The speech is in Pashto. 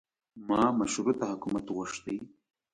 ما مشروطه حکومت غوښتی.